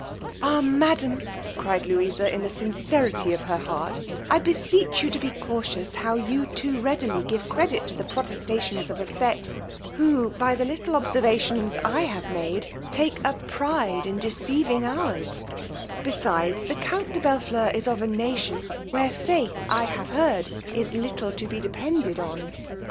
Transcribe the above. Ah! madam, cried Louisa, in the sincerity of her heart, I beseech you to be cautious how you too readily give credit to the protestations of a sex, who, by the little observations I have made, take a pride in deceiving ours; besides, the count de Bellfleur is of a nation where faith, I have heard, is little to be depended on.